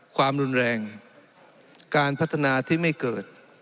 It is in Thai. ความรุนแรงการพัฒนาที่ไม่เกิด